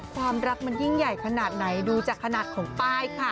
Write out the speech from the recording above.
ความรักมันยิ่งใหญ่ขนาดไหนดูจากขนาดของป้ายค่ะ